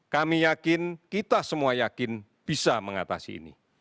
kami yakin kita semua yakin bisa mengatasi ini